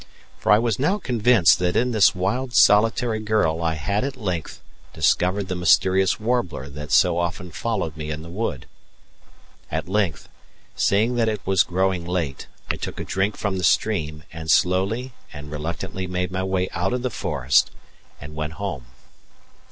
For I was now convinced that in this wild solitary girl I had at length discovered the mysterious warbler that so often followed me in the wood. At length, seeing that it was growing late, I took a drink from the stream and slowly and reluctantly made my way out of the forest and went home.